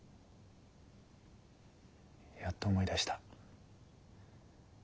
やっと思い出した。